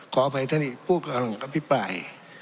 ขออภัยท่านอีกผู้กำลังอภิปราย